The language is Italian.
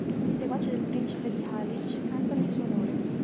I seguaci del principe di Halyč cantano in suo onore.